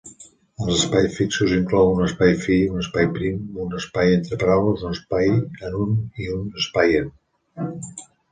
Els espais fixos inclouen un espai fi, un espai prim, un espai entre paraules, un espai en i un espai em.